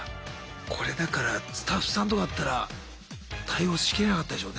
これだからスタッフさんとかだったら対応しきれなかったでしょうね。